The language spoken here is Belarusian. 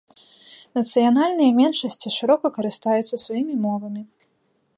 Нацыянальныя меншасці шырока карыстаюцца сваімі мовамі.